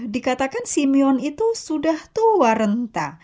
dikatakan simion itu sudah tua renta